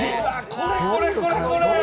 これこれこれこれ！